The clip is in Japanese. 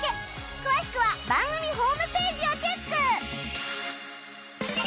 詳しくは番組ホームページをチェック